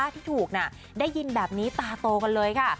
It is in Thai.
ที่ถูกได้ยินแบบนี้ตาโตกันเลยค่ะ